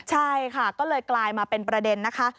ใช่ค่ะก็เลยกลายมาเป็นประเด็นนะคะ